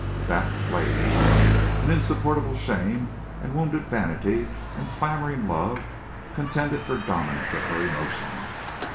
That flayed her. An insupportable shame and wounded vanity and clamoring love contended for dominance of her emotions.